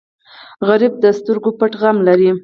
غریب د سترګو پټ غم لري